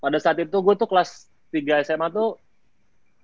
pada saat itu gue tuh kelas tiga sma tuh